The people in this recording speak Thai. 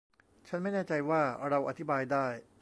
ฉันไม่แน่ใจว่าเราอธิบายได้